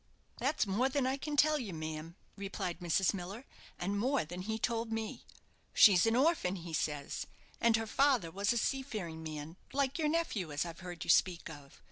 "That's more than I can tell you, ma'am," replied Mrs. Miller; "and more than he told me. She's an orphan, he says, and her father was a seafaring man, like your nephew, as I've heard you speak of.